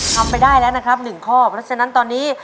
ทำไปได้แล้วนะครับ๑ข้อเพราะฉะนั้นตอนนี้